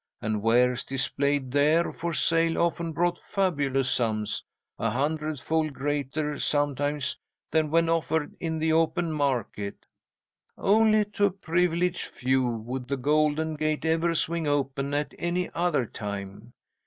And wares displayed there for sale often brought fabulous sums, a hundredfold greater sometimes than when offered in the open market. "'Only to a privileged few would the Golden Gate ever swing open at any other time.